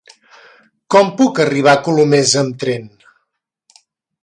Com puc arribar a Colomers amb tren?